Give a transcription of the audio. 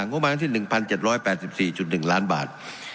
งบมาที่๑๗๘๔๑ล้านบาท